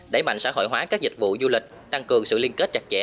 đẩy mạnh xã hội hóa các dịch vụ du lịch tăng cường sự liên kết chặt chẽ